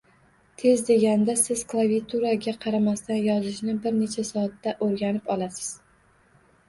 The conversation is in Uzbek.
Tez deganda Siz klaviaturaga qaramasdan yozishni bir necha soatda o’rganib olasiz